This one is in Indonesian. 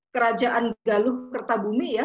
kerajaan galuh kertabumi ya